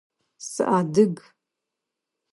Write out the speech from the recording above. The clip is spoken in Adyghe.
Сыадыг.